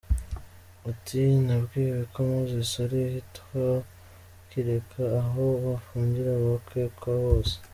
Ati “Nabwiwe ko Moses ari ahitwa Kireka aho bafungira abakekwa bose.